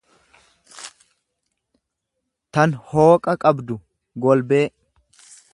tan hooqa qabdu, golbee.